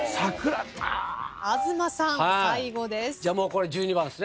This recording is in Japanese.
東さん最後です。